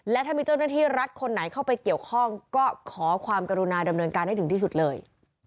และถ้ามีเจ้าหน้าที่รัฐคนไหนเข้าไปเกี่ยวข้องก็ขอความกรุณาดำเนินการให้ถึงที่สุดเลย